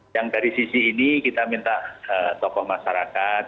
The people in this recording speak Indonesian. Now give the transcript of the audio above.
yang dari sisi ini kita minta tokoh masyarakat